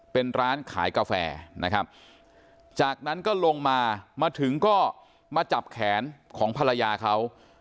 เป็นร้านขายกาแฟนะครับจากนั้นก็ลงมามาถึงก็มาจับแขนของภรรยาเขา